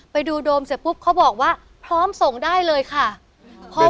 ไปดูโดมเสร็จปุ๊บเขาบอกว่าพร้อมส่งได้เลยค่ะเพราะว่า